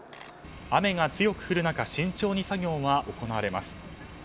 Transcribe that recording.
雨が強く降る中慎重に作業が行われます。